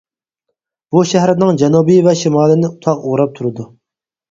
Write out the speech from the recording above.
بۇ شەھەرنىڭ جەنۇبى ۋە شىمالىنى تاغ ئوراپ تۇرىدۇ.